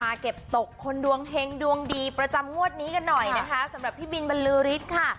เก็บตกคนดวงเฮงดวงดีประจำงวดนี้กันหน่อยนะคะสำหรับพี่บินบรรลือฤทธิ์ค่ะ